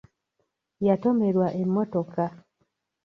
Yatomerwa emmotoka.